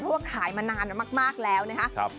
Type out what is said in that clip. เพราะว่าขายมานานมากแล้วนะครับ